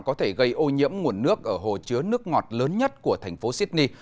có thể gây ô nhiễm nguồn nước ở hồ chứa nước ngọt lớn nhất của thành phố sydney